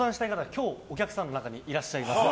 今日、お客さんの中にいらっしゃいます。